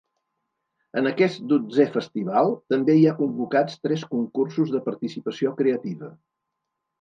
En aquest dotzè festival també hi ha convocats tres concursos de participació creativa.